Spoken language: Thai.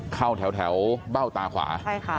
เข้าแถวเบ้าตาขวา